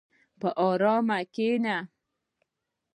په ارام کښېنه.